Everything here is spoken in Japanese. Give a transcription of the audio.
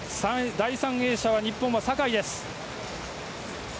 第３泳者は日本は酒井。